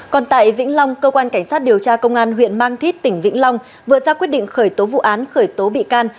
còn tại vĩnh long cơ quan cảnh sát điều tra công an huyện mang thít tỉnh vĩnh long vừa ra quyết định khởi tố vụ án khởi tố bị can